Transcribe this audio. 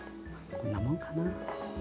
こんなもんかな。